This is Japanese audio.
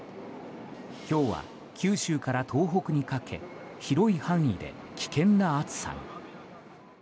今日は九州から東北にかけ広い範囲で危険な暑さに。